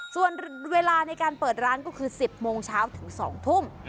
ส่วนเวลาในการเปิดร้านก็คือ๑๐โมงเช้าถึง๒ทุ่ม